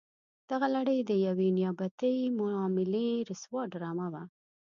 دغه لړۍ د یوې نیابتي معاملې رسوا ډرامه وه.